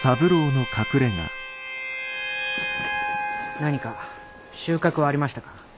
何か収穫はありましたか？